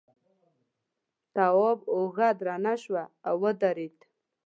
تواب اوږه درنه شوه او ودرېد.